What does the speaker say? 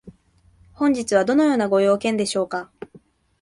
本日はどのようなご用件でしょうか？